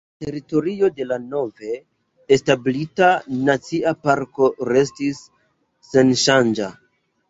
La teritorio de la nove establita nacia parko restis senŝanĝa.